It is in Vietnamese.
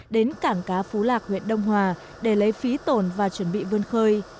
đến cảng cá phú lạc huyện đông hòa để lấy phí tổn và chuẩn bị vươn khơi